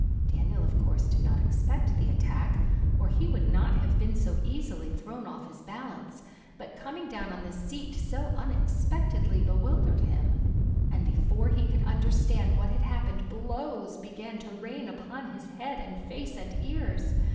Daniel, of course, did not expect the attack, or he would not have been so easily thrown off his balance; but coming down on the seat so unexpectedly bewildered him, and before he could understand what had happened blows began to rain upon his head and face and ears.